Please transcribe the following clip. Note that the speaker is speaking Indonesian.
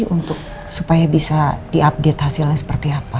untuk supaya bisa diupdate hasilnya seperti apa